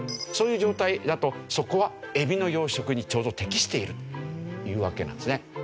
そういう状態だとそこはエビの養殖にちょうど適しているというわけなんですね。